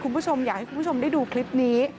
คุณผู้ชมอยากให้คุณผู้ชมได้ดูคลิปนี้